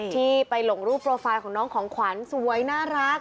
ที่ไปลงรูปโปรไฟล์ของน้องของขวัญสวยน่ารัก